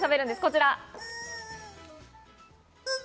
こちら。